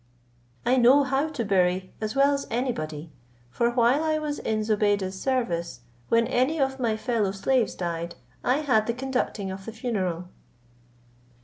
I know how to bury as well as any body; for while I was in Zobeide's service, when any of my fellow slaves died, I had the conducting of the funeral."